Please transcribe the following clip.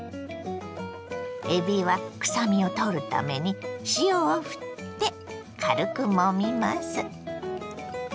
えびは臭みを取るために塩をふって軽くもみます。